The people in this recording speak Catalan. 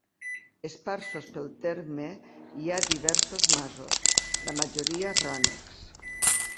Esparsos pel terme hi ha diversos masos, la majoria rònecs.